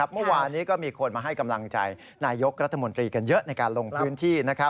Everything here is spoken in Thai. เมื่อวานนี้ก็มีคนมาให้กำลังใจนายกรัฐมนตรีกันเยอะในการลงพื้นที่